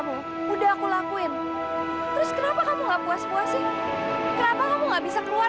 atau kalau kalian penyanyi ketika ambil pandangan selesai